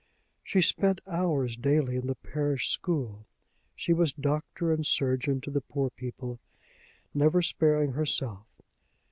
She spent hours daily in the parish school. She was doctor and surgeon to the poor people, never sparing herself.